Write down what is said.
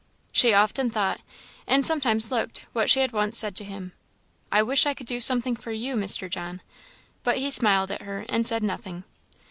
She often thought, and sometimes looked, what she had once said to him, "I wish I could do something for you, Mr. John;" but he smiled at her, and said nothing.